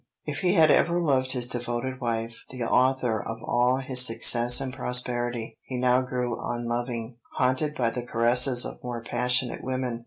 If he had ever loved his devoted wife, the author of all his success and prosperity, he now grew unloving, haunted by the caresses of more passionate women.